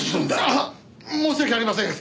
ああっ申し訳ありません！